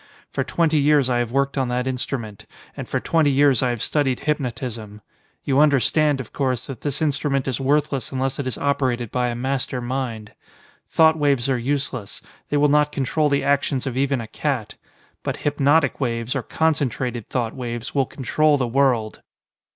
For twenty years I have worked on that instrument, and for twenty years I have studied hypnotism. You understand, of course, that this instrument is worthless unless it is operated by a master mind. Thought waves are useless; they will not control the actions of even a cat. But hypnotic waves or concentrated thought waves will control the world."